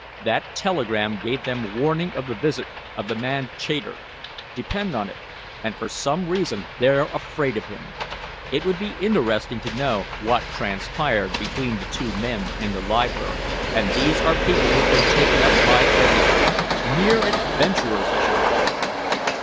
That telegram gave them warning of the visit of the man Chater, depend upon it, and for some reason they're afraid of him. It would be interesting to know what transpired between the two men in the library. And these are people who've been taken up by everybody mere adventurers, I should call them!"